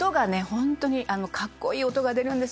ホントにかっこいい音が出るんですよ。